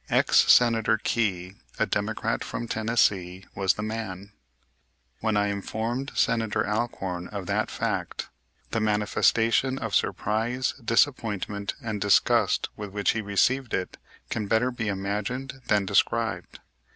Ex Senator Key, a Democrat from Tennessee, was the man. When I informed Senator Alcorn of that fact the manifestation of surprise, disappointment, and disgust with which he received it can better be imagined than described.